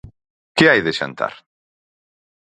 Que hai de xantar?